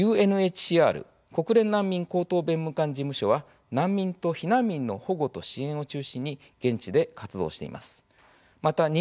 ＵＮＨＣＲ・国連難民高等弁務官事務所は難民と避難民の保護と支援を中心に現地で活動しています。